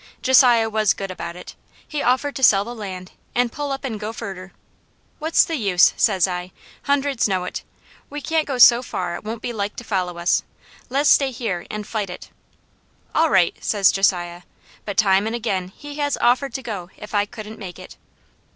Josiah was good about it. He offered to sell the land, an' pull up an' go furder. 'What's the use?' says I. 'Hundreds know it. We can't go so far it won't be like to follow us; le's stay here an' fight it.' 'All right,' says Josiah, but time an' ag'in he has offered to go, if I couldn't make it.